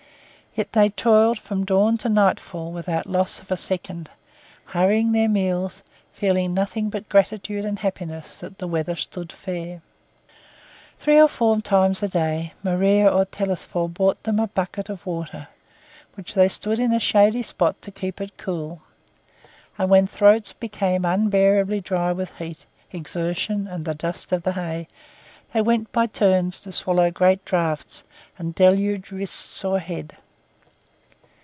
Yet they toiled from dawn to nightfall without loss of a second, hurrying their meals, feeling nothing but gratitude and happiness that the weather stood fair. Three or four times a day Maria or Telesphore brought them a bucket of water which they stood in a shady spot to keep it cool; and when throats became unbearably dry with heat, exertion and the dust of the hay, they went by turns to swallow great draughts and deluge wrists or head.